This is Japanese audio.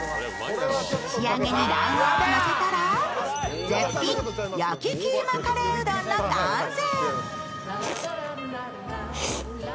仕上げに卵黄をのせたら、絶品焼きキーマカレーうどんの完成。